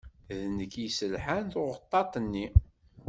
D nekk yesselḥan tuɣḍaṭ-nni.